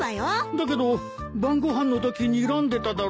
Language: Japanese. だけど晩ご飯のときにらんでただろ？